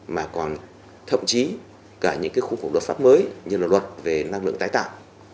mà còn thậm chí cả những khung khổ luật pháp mới như luật về năng lượng tái tạo